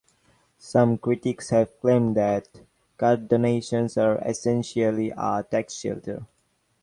Some critics have claimed that car donations are essentially a tax shelter.